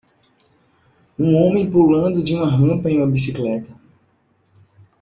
um homem pulando de uma rampa em uma bicicleta